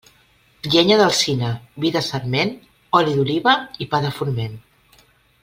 Llenya d'alzina, vi de sarment, oli d'oliva i pa de forment.